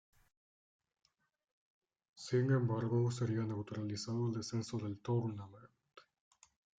Sin embargo, sería neutralizado en el descenso del Tourmalet.